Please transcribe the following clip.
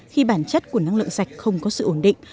khi bản chất của năng lượng sạch không có sự ổn định